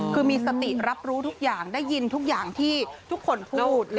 คือมีสติรับรู้ทุกอย่างได้ยินทุกอย่างที่ทุกคนพูด